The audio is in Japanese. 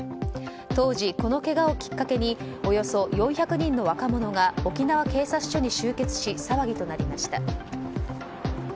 当時、このけがをきっかけにおよそ４００人の若者が沖縄警察署に集結し騒ぎとなりました。